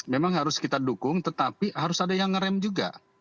memang harus kita dukung tetapi harus ada yang ngerem juga